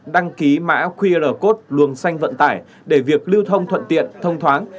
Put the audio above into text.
đăng ký mã qr code luồng xanh vận tải để việc lưu thông thuận tiện thông thoáng